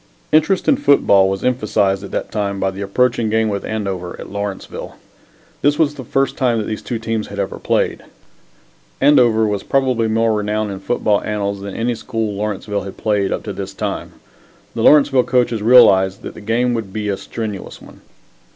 Interest in football was emphasized at that time by the approaching game with Andover at Lawrenceville. This was the first time that these two teams had ever played. Andover was probably more renowned in football annals than any school Lawrenceville had played up to this time. The Lawrenceville coaches realized that the game would be a strenuous one.